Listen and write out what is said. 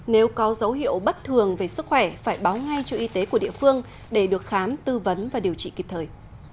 nếu có dấu hiệu bất thường về sức khỏe phải báo ngay cho y tế của địa phương để được khám tư vấn và điều trị kịp thời